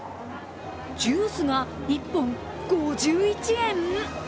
ジュースが１本５１円！？